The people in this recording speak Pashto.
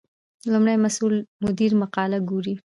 لومړی مسؤل مدیر مقاله ګوري.